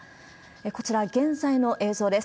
こちら、現在の映像です。